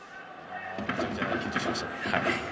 めちゃくちゃ緊張しました。